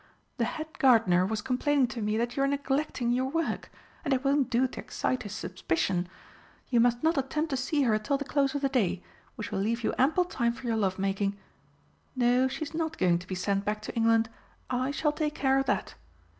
The Head Gardener was complaining to me that you are neglecting your work, and it won't do to excite his suspicion. You must not attempt to see her till the close of the day, which will leave you ample time for your lovemaking.... No, she is not going to be sent back to England. I shall take care of that.